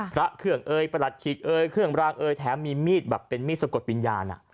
พระเครื่องเอยประหลัดขีกเอยเครื่องรางเอยแถมมีมีดแบบเป็นมีดสะกดวิญญาณ